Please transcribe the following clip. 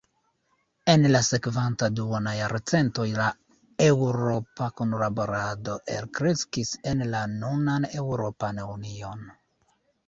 En la sekvanta duona jarcento la eŭropa kunlaborado elkreskis en la nunan Eŭropan Union.